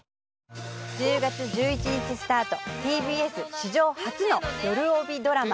１０月１１日スタートＴＢＳ史上初のよるおびドラマ